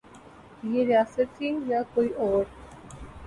یہ ریاست تھی یا کوئی اور؟